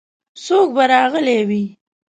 څوک به راغلي وي؟